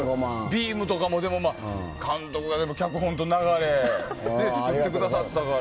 ビームとかも監督が脚本と流れを作ってくださったから。